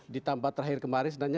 ditambah terakhir kemarin